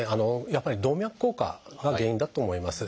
やっぱり動脈硬化が原因だと思います。